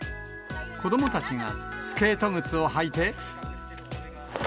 子どもたちがスケート靴を履いて。